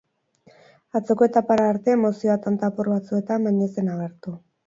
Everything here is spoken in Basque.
Atzoko etapara arte, emozioa tanta apur batzuetan baino ez zen agertu.